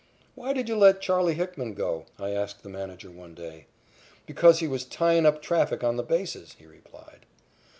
"Why did you let Charley Hickman go?" I asked the manager one day. "Because he was tyin' up traffic on the bases," he replied.